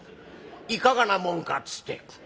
『いかがなもんか』つって。